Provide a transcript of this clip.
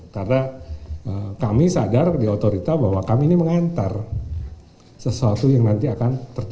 karena kami sadar di otorita bahwa kami ini mengantar sesuatu yang nanti akan tertentu